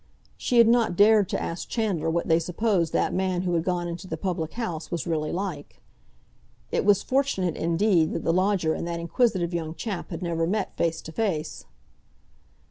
She had not dared to ask Chandler what they supposed that man who had gone into the public house was really like. It was fortunate, indeed, that the lodger and that inquisitive young chap had never met face to face.